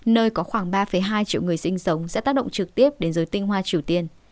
nơi có khoảng ba hai triệu người sinh sống sẽ tác động trực tiếp đến giới tinh hoa triều tiên